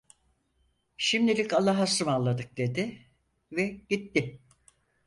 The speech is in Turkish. Şimdilik allahaısmarladık, dedi ve gitti.